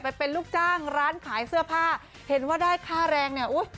ไปเป็นลูกจ้างร้านขายเสื้อผ้าเห็นว่าได้ค่าแรงเนี่ยอุ้ย